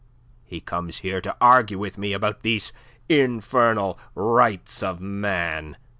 He comes here to argue with me about these infernal Rights of Man.